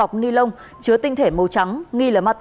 giật mình cái gì anh